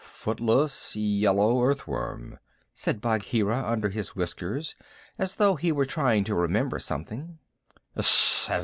"Footless, yellow earth worm," said Bagheera under his whiskers, as though he were trying to remember something.